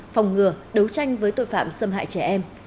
phòng ngừa đấu tranh với tội phạm xâm hại trẻ em